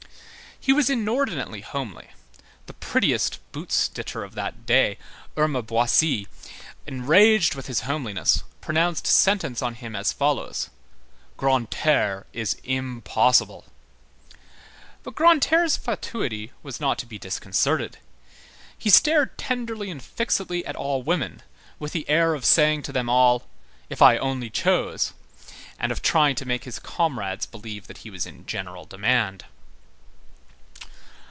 He was inordinately homely: the prettiest boot stitcher of that day, Irma Boissy, enraged with his homeliness, pronounced sentence on him as follows: "Grantaire is impossible"; but Grantaire's fatuity was not to be disconcerted. He stared tenderly and fixedly at all women, with the air of saying to them all: "If I only chose!" and of trying to make his comrades believe that he was in general demand.